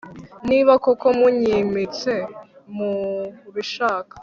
niba koko munyimitse mubishaka